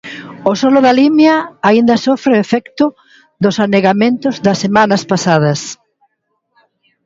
O solo da Limia aínda sofre o efecto dos anegamentos das semanas pasadas.